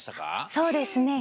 そうですね。